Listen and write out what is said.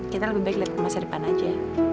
kita lebih baik liat masa depan aja